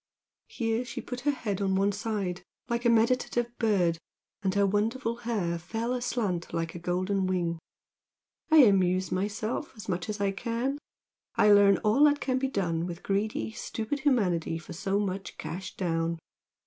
here she put her head on one side like a meditative bird and her wonderful hair fell aslant like a golden wing "I amuse myself as much as I can. I learn all that can be done with greedy, stupid humanity for so much cash down!